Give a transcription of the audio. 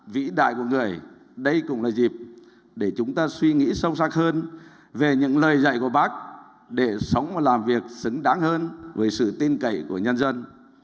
vĩ đại của người đây cũng là dịp để chúng ta suy nghĩ sâu sắc hơn về những lời dạy của bác để sống và làm việc xứng đáng hơn với sự tin cậy của nhân dân